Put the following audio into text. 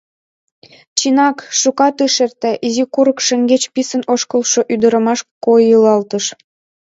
Чынак, шукат ыш эрте, изи курык шеҥгеч писын ошкылшо ӱдырамаш койылалтыш.